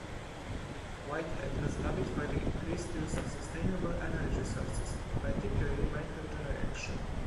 Whitehead has lobbied for the increased use of sustainable energy sources, particularly microgeneration.